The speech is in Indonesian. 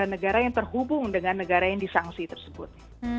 dan negara yang terhubung dengan negara yang disanksi tersebut